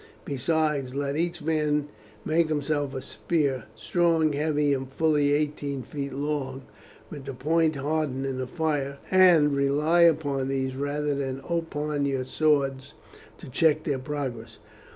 Besides, let each man make himself a spear, strong, heavy, and fully eighteen feet long, with the point hardened in the fire, and rely upon these rather than upon your swords to check their progress.